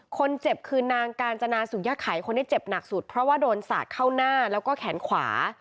คนเจ็บคือนางกาญจนาสุยะไขคนที่เจ็บหนักสุดเพราะว่าโดนสาดเข้าหน้าแล้วก็แขนขวา